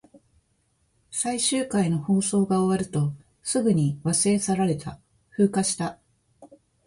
最終回の放送が終わると、すぐに忘れ去られた。風化した。